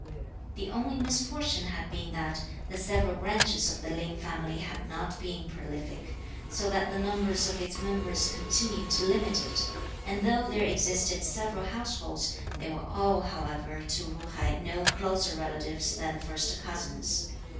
The only misfortune had been that the several branches of the Lin family had not been prolific, so that the numbers of its members continued limited; and though there existed several households, they were all however to Ju hai no closer relatives than first cousins.